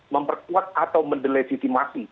memperkuat atau mendelesitimasi